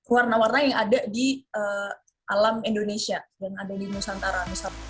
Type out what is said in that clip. warna warna yang ada di alam indonesia dan ada di nusantara